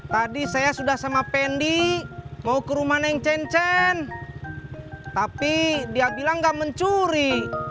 tadi saya sudah sama pendi mau ke rumah neng cencen tapi dia bilang gak mencuri